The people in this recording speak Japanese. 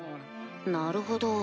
なるほど。